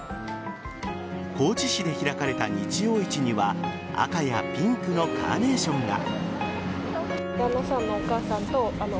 高知市で開かれた日曜市には赤やピンクのカーネーションが。